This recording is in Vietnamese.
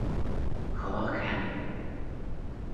khó khăn